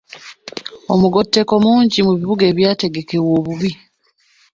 Omugotteko mungi mu bibuga ebyategekebwa obubi.